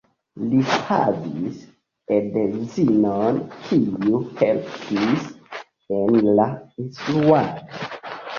Li havis edzinon, kiu helpis en la instruado.